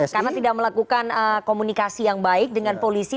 karena tidak melakukan komunikasi yang baik dengan polisi